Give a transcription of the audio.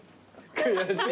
悔しい。